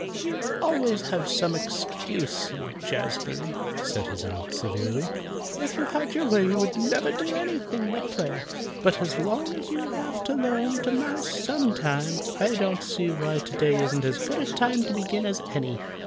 "You always have some excuse, Jazbury," said his aunt, severely. "If you had your way you would never do anything but play. But as long as you have to learn to mouse some time, I don't see why today isn't as good a time to begin as any."